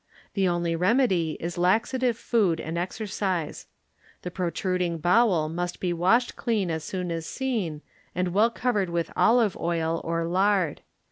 The only remedy is laxative food and exer cise. The protruding bowel must be washed clean as soon as seen and well covered with olive oil or lard.